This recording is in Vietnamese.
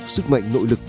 sức mạnh nội lực